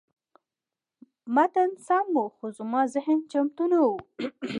متن سم و، خو زما ذهن چمتو نه و.